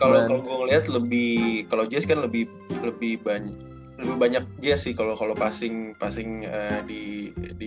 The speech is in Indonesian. kalo gua ngeliat lebih kalo jazz kan lebih lebih banyak jazz sih kalo passing di di